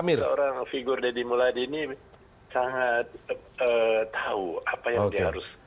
seorang figur deddy muladi ini sangat tahu apa yang dia harus